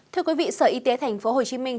thưa quý vị sở y tế thành phố hồ chí minh